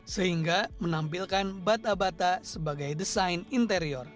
sehingga menampilkan bata bata sebagai desain interior